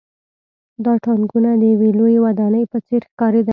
دا ټانکونه د یوې لویې ودانۍ په څېر ښکارېدل